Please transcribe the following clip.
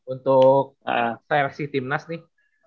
untuk seleksi tim nas nih